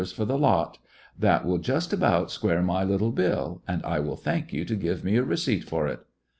149 llecoUections of a for the lot. That will just about square my little billy and I will thank you to give me a receipt for it."